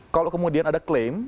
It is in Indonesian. kalau kemudian ada klaim